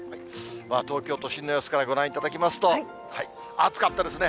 東京都心の様子からご覧いただきますと、暑かったですね。